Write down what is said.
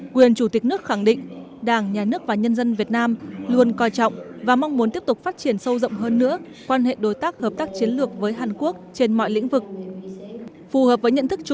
quyền chủ tịch nước khẳng định đảng nhà nước và nhân dân việt nam luôn coi trọng và mong muốn tiếp tục phát triển sâu rộng hơn nữa quan hệ đối tác hợp tác chiến lược với hàn quốc trên mọi lĩnh vực